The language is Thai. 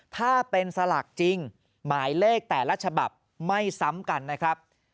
ถ้าเป็นสลากจริงหมายเลขแต่ละฉบับไม่ซ้ำกันนะครับ